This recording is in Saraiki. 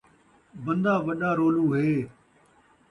بندہ وݙا رولو ہے